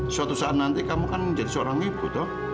suatu saat nanti kamu kan menjadi seorang ibu dong